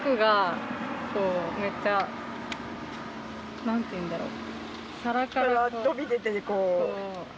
こうめっちゃ何ていうんだろう。